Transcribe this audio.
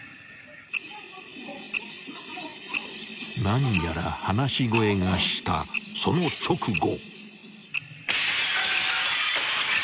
［何やら話し声がしたその直後］